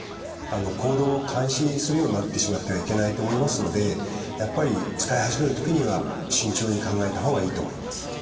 行動を監視するようになってしまってはいけないと思いますのでやっぱり使い始める時には慎重に考えた方がいいと思います。